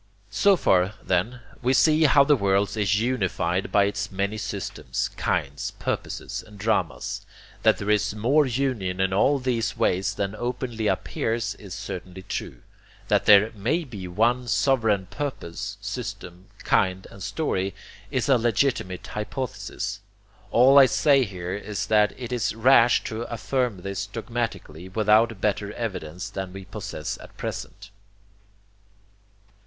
So far, then, we see how the world is unified by its many systems, kinds, purposes, and dramas. That there is more union in all these ways than openly appears is certainly true. That there MAY be one sovereign purpose, system, kind, and story, is a legitimate hypothesis. All I say here is that it is rash to affirm this dogmatically without better evidence than we possess at present.